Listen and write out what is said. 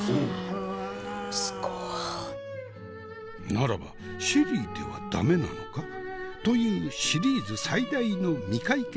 「ならばシェリーではダメなのか？」というシリーズ最大の未解決